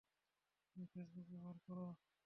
তুমি ফেসবুক ব্যবহার করো?